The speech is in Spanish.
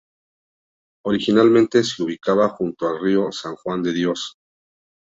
Originalmente se ubicaba junto al Río San Juan de Dios.